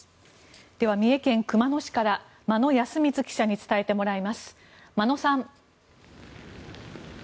では三重県熊野市から真野恭光記者に伝えてもらいます真野さん。